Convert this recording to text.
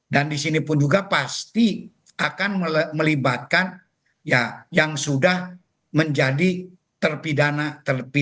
dan di sini pun juga pasti akan melibatkan yang sudah menjadi terpidana yang terdahulu